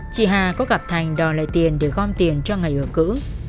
chị hà có gặp thành đòi lại tiền để gom tiền cho ngày ở cũ